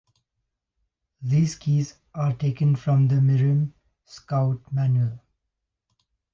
These keys are taken from the Mirim Scout Manual.